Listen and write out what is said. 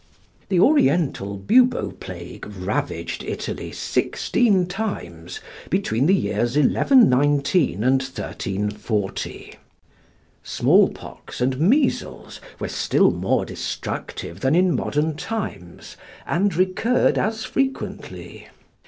The Oriental bubo plague ravaged Italy sixteen times between the years 1119 and 1340. Small pox and measles were still more destructive than in modern times, and recurred as frequently.